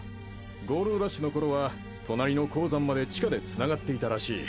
ゴールドラッシュの頃は隣の鉱山まで地下でつながっていたらしい。